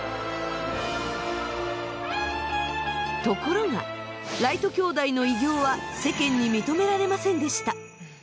ところがライト兄弟の偉業は世間に認められませんでした。